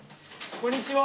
こんにちは。